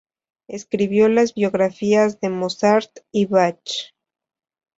Escribió las biografías de Mozart y Bach.